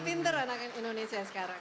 pinter anak indonesia sekarang